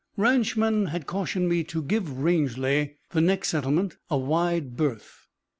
Ranchmen had cautioned me to give Rangely, the next settlement, a "wide berth."